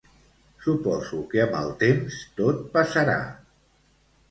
Suposo que amb el temps, tot passarà.